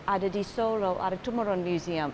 ada di solo ada tumurun museum